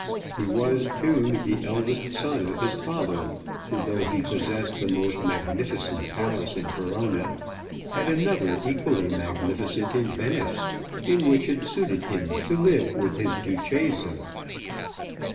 He was too the eldest son of his father, who, though he possessed the most magnificent palace in Verona, had another equally magnificent in Venice, in which it suited him to live with his Duchessa.